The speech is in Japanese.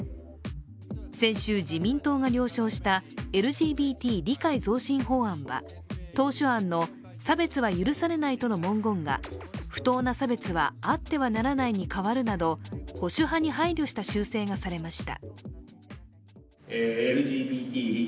先週、自民党が了承したＬＧＢＴ理解増進法案は当初案の、差別は許されないとの文言が不当な差別はあってはならないに変わるなど保守派に配慮した修正がされました。